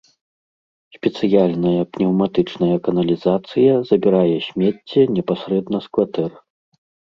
Спецыяльная пнеўматычная каналізацыя забірае смецце непасрэдна з кватэр.